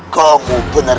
kamu benar benar kurang acar